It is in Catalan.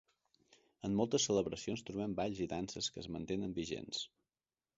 En moltes celebracions trobem balls i danses que es mantenen vigents.